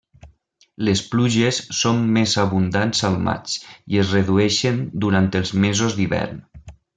Les pluges són més abundants al maig i es redueixen durant els mesos d'hivern.